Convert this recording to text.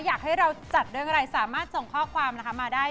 อยากให้เราจัดเรื่องอะไรสามารถส่งข้อความนะคะมาได้